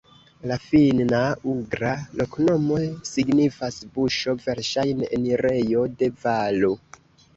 La finna-ugra loknomo signifas: buŝo, verŝajne enirejo de valo.